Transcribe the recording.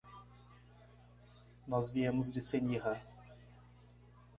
Nós viemos de Senija.